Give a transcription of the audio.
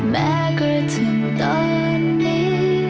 แม้กระทั่งตอนนี้